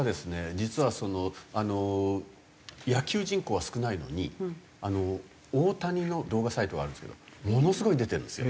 実はその野球人口は少ないのに大谷の動画サイトがあるんですけどものすごい出てるんですよ。